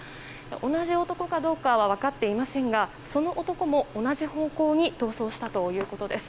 同じ男がどうかは分かっていませんが、その男も同じ方向に逃走したということです。